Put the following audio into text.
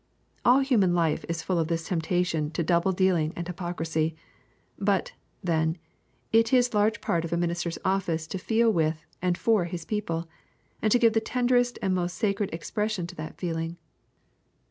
All human life is full of this temptation to double dealing and hypocrisy; but, then, it is large part of a minister's office to feel with and for his people, and to give the tenderest and the most sacred expression to that feeling.